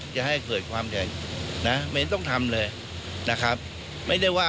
ใช่หรือไม่